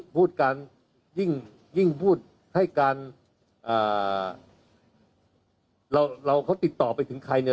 พูดกันยิ่งพูดให้การเราเราเขาติดต่อไปถึงใครเนี่ย